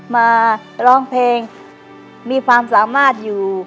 มาร้องเพลงมีความสามารถอยู่